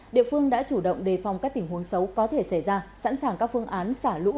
địa phương đã chủ động đề phòng các tình huống xấu có thể xảy ra sẵn sàng các phương án xả lũ